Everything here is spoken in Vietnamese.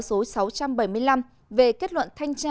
số sáu trăm bảy mươi năm về kết luận thanh tra